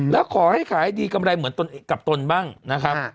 แล้วขอให้ขายดีกำไรเหมือนตนกับตนบ้างนะครับ